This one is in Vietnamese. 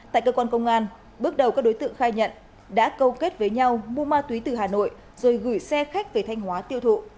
tại cơ quan công an bước đầu các đối tượng khai nhận đã câu kết với nhau mua ma túy từ hà nội rồi gửi xe khách về thanh hóa tiêu thụ